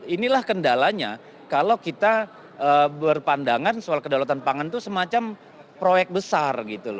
inilah kendalanya kalau kita berpandangan soal kedaulatan pangan itu semacam proyek besar gitu loh